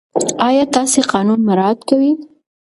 آیا تاسې قانون مراعات کوئ؟